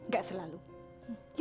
gak selalu yuk